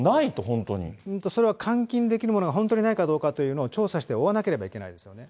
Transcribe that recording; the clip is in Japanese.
それは、換金できるものが、本当にないかどうかというのを調査して追わなければいけないですよね。